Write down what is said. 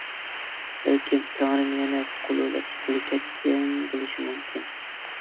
بەلكىم تەڭرىم يەنە قۇلۇلە تۇتقىلى كەتكەن بولۇشى مۇمكىن!